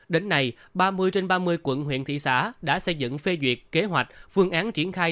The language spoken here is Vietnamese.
đến nay ba mươi trên ba mươi quận huyện thị xã đã xây dựng phê duyệt kế hoạch phương án triển khai